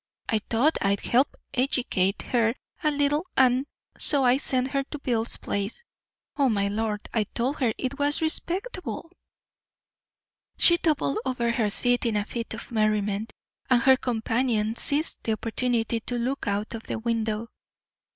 I thought I'd help eggicate her a little an' so I sent her to Bill's place. Oh, my Lord, I told her it was respectable!" She doubled over the seat in a fit of merriment, and her companion seized the opportunity to look out of the window.